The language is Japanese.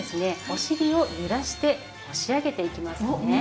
お尻をゆらして押し上げていきますね。